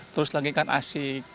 terus lagi kan asik